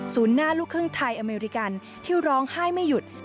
หน้าลูกครึ่งไทยอเมริกันที่ร้องไห้ไม่หยุด